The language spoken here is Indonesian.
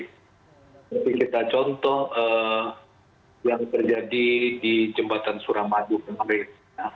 seperti kita contoh yang terjadi di jembatan suramadu kemarin